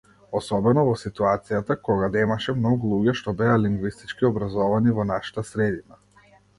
Особено во ситуацијата кога немаше многу луѓе што беа лингвистички образовани во нашата средина.